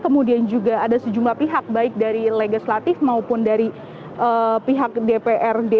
kemudian juga ada sejumlah pihak baik dari legislatif maupun dari pihak dprd